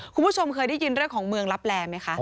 คุณผู้ชมเคยได้ยินเรื่องของเมืองลับแลไหมคะ